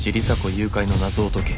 誘拐の謎を解け。